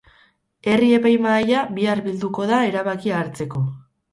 Herri-epaimahaia bihar bilduko da erabakia hartzeko.